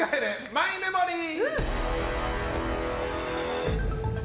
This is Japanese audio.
マイメモリー。